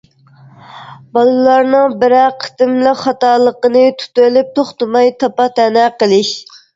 بالىلارنىڭ بىرەر قېتىملىق خاتالىقىنى تۇتۇۋېلىپ توختىماي تاپا-تەنە قىلىش.